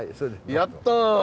やった！